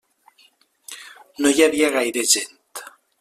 No hi havia gaire gent.